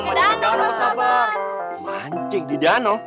mancing di danau